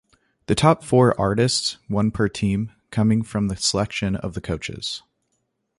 The top four artists (one per team) coming from the selection of the coaches.